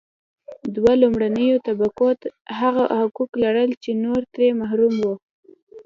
دوه لومړنیو طبقو هغه حقوق لرل چې نور ترې محروم وو.